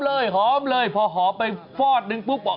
หมอกิตติวัตรว่ายังไงบ้างมาเป็นผู้ทานที่นี่แล้วอยากรู้สึกยังไงบ้าง